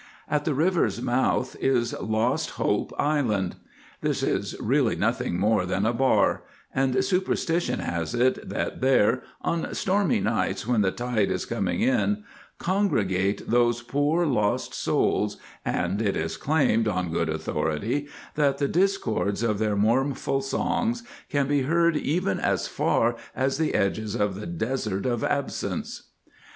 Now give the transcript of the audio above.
At the river's mouth is Lost Hope Island; this is really nothing more than a bar, and superstition has it that there, on stormy nights when the tide is coming in, congregate those poor lost souls, and it is claimed, on good authority, that the discords of their mournful songs can be heard even as far as to the edges of the Desert of Absence.